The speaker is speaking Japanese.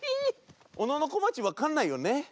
おののこまちわかんないよね？